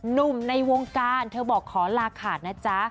ในวงการเธอบอกขอลาขาดนะจ๊ะ